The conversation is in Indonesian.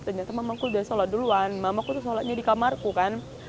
ternyata mamaku udah sholat duluan mamaku tuh sholatnya di kamarku kan